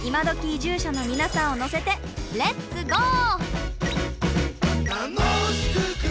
移住者のみなさんを乗せてレッツゴー！